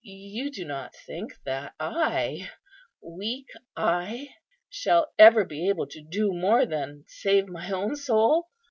you do not think that I, weak I, shall ever be able to do more than save my own soul?"